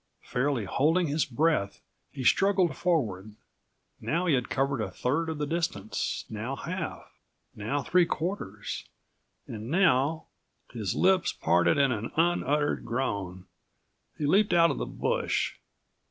Fairly holding his breath, he struggled forward. Now he had covered a third of the distance, now half, now three quarters and now— His lips parted in an unuttered groan. He leaped out of the bush.